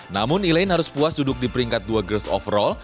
namun elaine harus puas duduk di peringkat dua girs overall